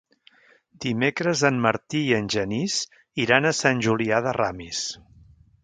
Dimecres en Martí i en Genís iran a Sant Julià de Ramis.